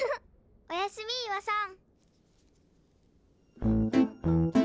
おやすみいわさん。